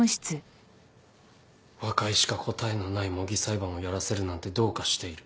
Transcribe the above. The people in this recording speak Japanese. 和解しか答えのない模擬裁判をやらせるなんてどうかしている。